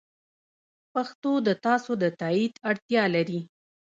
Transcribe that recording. پښتو د تاسو د تایید اړتیا لري.